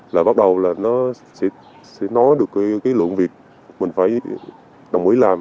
là bắt đầu là nó sẽ nói được cái lượng việc mình phải đồng ý làm